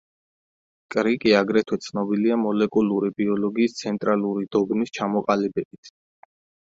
კრიკი აგრეთვე ცნობილია მოლეკულური ბიოლოგიის ცენტრალური დოგმის ჩამოყალიბებით.